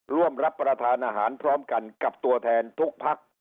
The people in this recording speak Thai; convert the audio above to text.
ร่วมรับประทานอาหารพร้อมกันกับตัวแทนทุกพัก